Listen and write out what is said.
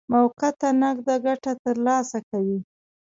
موقته نقده ګټه ترلاسه کوي.